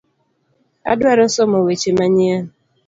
Adwaro somo weche manyien.